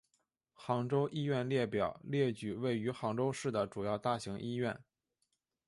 杭州医院列表列举位于杭州市的主要大型医院。